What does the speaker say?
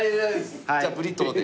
じゃあブリトーで。